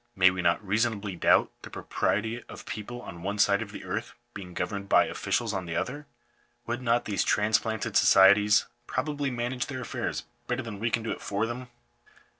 May we not reasonably doubt the pro priety of people on one side of the earth being governed by officials on the other ? Would not these transplanted societies probably manage their affairs better than we can do it for them?